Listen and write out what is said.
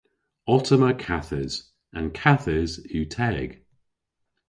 Ottomma kathes. An kathes yw teg.